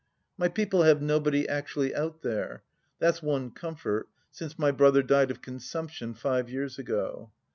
My people have nobody actually out there, that's one comfort, since my brother died of consumption five years ago.